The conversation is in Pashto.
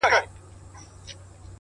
د خدای د عرش قهر د دواړو جهانونو زهر ـ